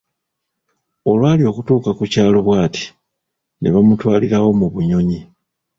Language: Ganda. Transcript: Olw’ali okutuuka ku kyalo bw’ati, ne bamutwaliwo mu bunyonyi.